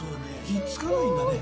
くっつかないんだね